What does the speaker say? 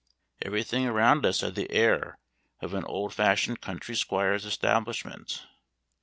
Everything around us had the air of an old fashioned country squire's establishment.